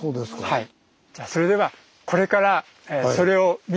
はい。